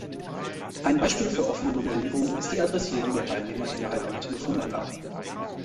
Ein Beispiel für offene Nummerierung ist die Adressierung der Teilnehmer innerhalb einer Telefonanlage.